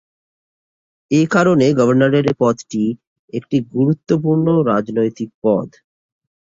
একারণে গভর্নরের পদটি একটি গুরুত্বপূর্ণ রাজনৈতিক পদ।